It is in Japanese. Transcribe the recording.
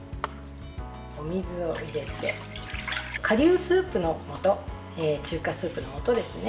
お水を入れて、顆粒スープの素中華スープの素ですね。